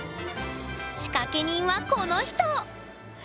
仕掛け人はこの人！